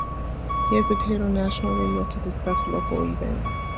He has appeared on national radio to discuss local events.